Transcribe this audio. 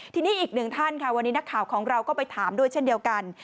ทีนี้อีกหนึ่งท่านค่ะวันนี้นักข่าวของเราก็ไปถามด้วยเช่นเดียวกัน